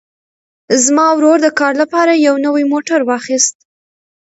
زما ورور د کار لپاره یو نوی موټر واخیست.